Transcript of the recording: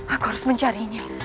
aku harus mencarinya